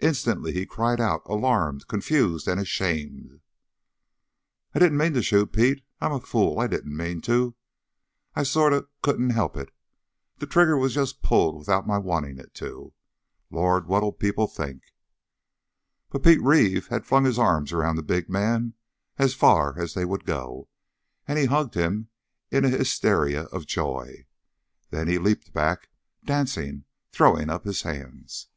Instantly he cried out, alarmed, confused, ashamed. "I didn't mean to shoot, Pete. I'm a fool! I didn't mean to! It I sort of couldn't help it. The the trigger was just pulled without my wanting it to! Lord, what'll people think!" But Pete Reeve had flung his arms around the big man as far as they would go, and he hugged him in a hysteria of joy. Then he leaped back, dancing, throwing up his hands.